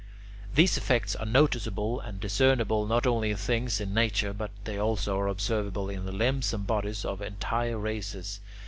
These effects are noticeable and discernible not only in things in nature, but they also are observable in the limbs and bodies of entire races.